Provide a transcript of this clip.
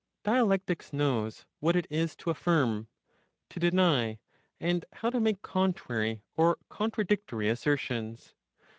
Dialectics knows what it is to affirm, to deny, and how to make contrary or contradictory assertions.